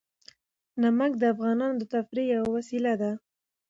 نمک د افغانانو د تفریح یوه وسیله ده.